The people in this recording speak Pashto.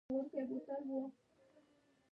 پر ملا تاو شو، کېناست.